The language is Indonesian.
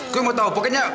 gue mau tau pokoknya